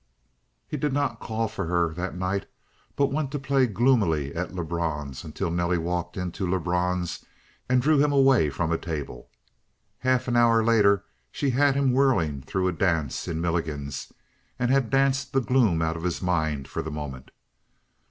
He did not call for her that night but went to play gloomily at Lebrun's until Nelly walked into Lebrun's and drew him away from a table. Half an hour later she had him whirling through a dance in Milligan's and had danced the gloom out of his mind for the moment.